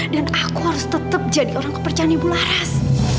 dan aku harus tetap jadi orang kepercayaan ibu laras